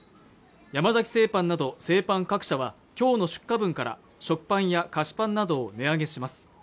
山崎製パンなど製パン各社はきょうの出荷分から食パンや菓子パンなどを値上げします